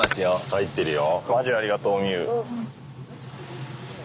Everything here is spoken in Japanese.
入ってるよ。